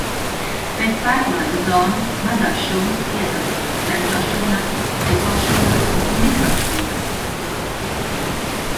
Pēc pārklājuma zonas mazās šūnas iedala femtošūnās, pikošūnās un mikrošūnās.